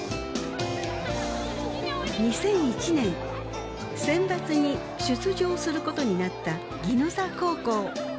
２００１年センバツに出場することになった宜野座高校。